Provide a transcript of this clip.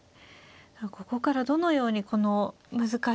ここからどのようにこの難しい陣形を。